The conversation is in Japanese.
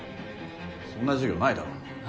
そんな授業ないだろ。